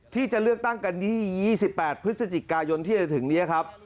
ที่จะเลือกตั้งกัน๒๘พฤศจิกายนที่จะถึงนี้ครับ